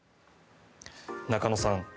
中野さん